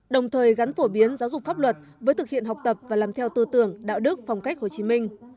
đồng thời gắn phổ biến giáo dục pháp luật với thực hiện học tập và làm theo tư tưởng đạo đức phong cách hồ chí minh